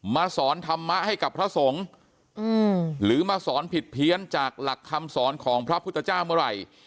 สอนธรรมะให้กับพระสงฆ์หรือมาสอนผิดเพี้ยนจากหลักคำสอนของพระพุทธเจ้าเมื่อไหร่